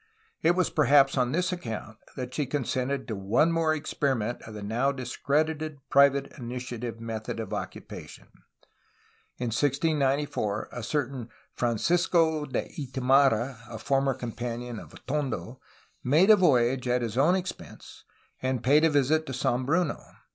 It was perhaps on this account that she consented to one more experiment of the now discredited private initiative method of occupation. In 1694 a certain Francisco de Itamarra, a former companion of Atondo, made a voyage at his own expense, and paid a visit to San Bruno.